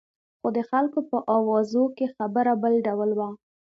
خو د خلکو په اوازو کې خبره بل ډول وه.